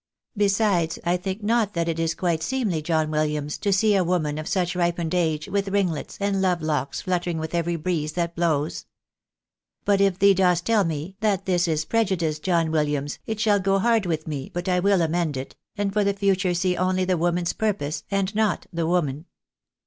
Besides, I think not that it is quite seemly, John Williams, to see a woman of such ripened age with ringlets and love locks fluttering with every breeze that 232 THK BABJSABY8 IM ... blows. But if thee dost tell me that this is prejudice, John Wil liams, it shall go hard with me but I will amend it, and for the future see only the woman's purpose, and not the woman."